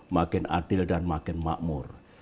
makin adil dan makin makmur